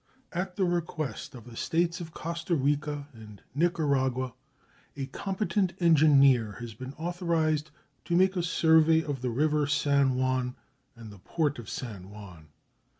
At the request of the States of Costa Rica and Nicaragua, a competent engineer has been authorized to make a survey of the river San Juan and the port of San Juan.